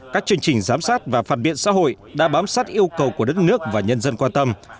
các chương trình giám sát và phản biện xã hội đã bám sát yêu cầu của đất nước và nhân dân quan tâm